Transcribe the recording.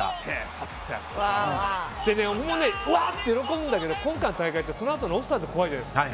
俺も、うわって喜んだんだけど今回の大会ってそのあとのオフサイドが怖いじゃないですか。